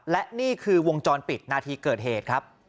และนี่คือวงจรปิดนาทีเกิดเหตุครับ